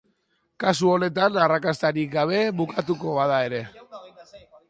Kasu honetan arrakastarik gabe bukatuko bada ere.